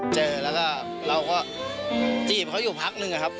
เจอแล้วก็เราก็จีบเขาอยู่พักนึงอะครับ